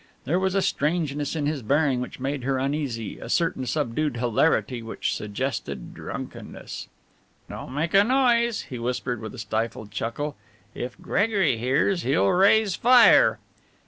There was a strangeness in his bearing which made her uneasy, a certain subdued hilarity which suggested drunkenness. "Don't make a noise," he whispered with a stifled chuckle, "if Gregory hears he'll raise fire."